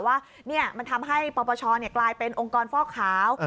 ว่ามันทำให้ปปชกลายเป็นองค์กรฟอกขาว